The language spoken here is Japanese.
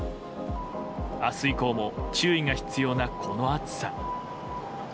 明日以降も注意が必要なこの暑さ。